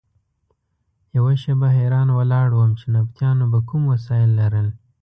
یوه شېبه حیران ولاړ وم چې نبطیانو به کوم وسایل لرل.